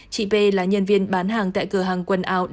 chị p là nhân viên bán hàng tại cửa hàng quần áo